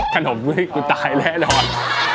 ขนมด้วยกูตายแน่นอน